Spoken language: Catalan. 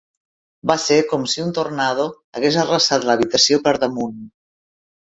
Va ser com si un tornado hagués arrasat l'habitació per damunt.